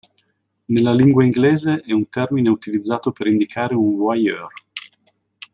Nella lingua inglese è un termine utilizzato per indicare un voyeur.